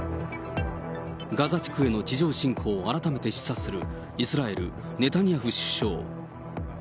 ガザ地区への地上侵攻を改めて示唆するイスラエル、ネタニヤフ首相。